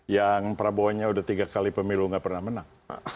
yang prabowonya udah tiga kali pemilu gak pernah menang